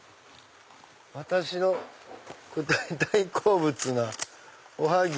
私の大好物なおはぎ。